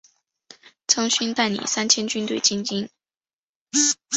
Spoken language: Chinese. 张勋带领三千军队进京。